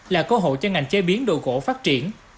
là cơ hội cho ngành chế biến đồ gỗ phát triển